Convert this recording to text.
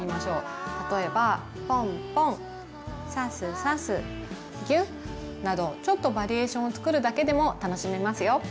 例えばぽんぽんさすさすぎゅっなどちょっとバリエーションをつくるだけでも楽しめますよ。